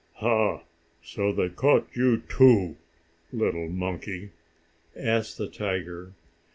"Ha! So they caught you too, little monkey?" asked the tiger.